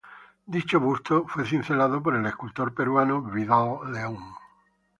Dicho busto fue cincelado por el escultor peruano Vidal León.